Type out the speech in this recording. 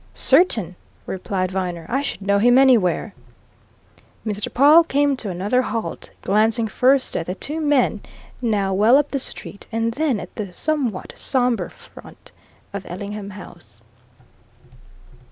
"Certain!" replied Viner. "I should know him anywhere." Mr. Pawle came to another halt, glancing first at the two men, now well up the street, and then at the somewhat sombre front of Ellingham House.